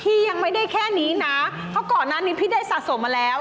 ยังไม่ได้แค่นี้นะเพราะก่อนหน้านี้พี่ได้สะสมมาแล้ว